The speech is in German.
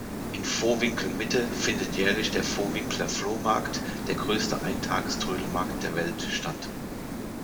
In Vohwinkel-Mitte findet jährlich der Vohwinkeler Flohmarkt, der größte Ein-Tages-Trödelmarkt der Welt, statt.